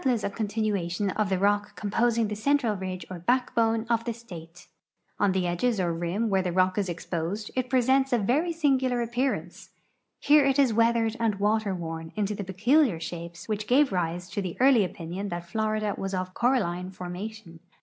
ss a continuation of the rock composing tbe central ridge or backbone of tbe state. On tbe edges or rim where tbe rock is ex[)osed it i)resents a very singular appeai'ancc. Here it is weathered and water worn into the })cculiar shapes which gave rise to the early opinion that Florida was of coralino formation.